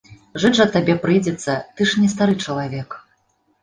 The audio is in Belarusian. Жыць жа табе прыйдзецца, ты ж не стары чалавек.